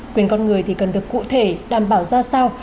quyền con người thì cần được cụ thể đảm bảo ra sao